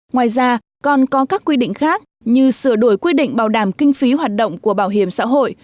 ngoài ra còn có các quy định khác như sửa đổi quy định bảo đảm kinh phí hoạt động của bảo hiểm xã hội